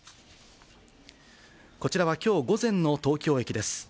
こちらはきょう午前の東京駅です。